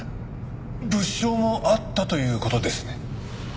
物証もあったという事ですね？